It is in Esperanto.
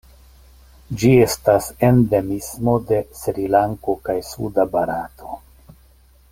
Ĝi estas endemismo de Srilanko kaj suda Barato.